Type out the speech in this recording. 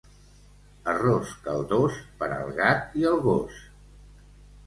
Arròs caldós, per al gat i el gos.